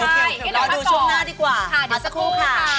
กลับมาทุกวัน